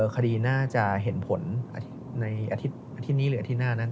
คดีน่าจะเห็นผลในอาทิตย์นี้หรืออาทิตย์หน้านั้น